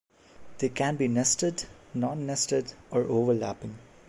They can be nested, non-nested or overlapping.